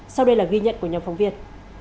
sau đây là ghi nhận của nhóm phóng viên